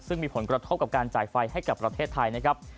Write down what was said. ซึ่งมีผลกระทบกับการจ่ายไฟให้กับประเทศไทยนะครับ